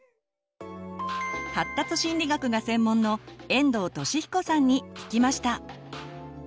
発達心理学が専門の遠藤利彦さんに聞きました。